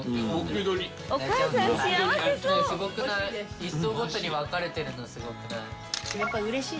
・一層ごとに分かれてるのすごくない？